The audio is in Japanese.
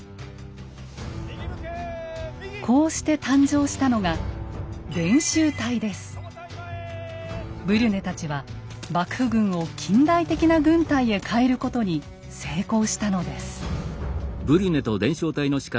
こうして誕生したのがブリュネたちは幕府軍を近代的な軍隊へ変えることに成功したのです。